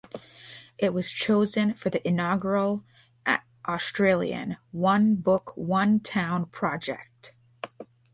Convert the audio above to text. It was chosen for the inaugural Australian "One Book-One Town" project.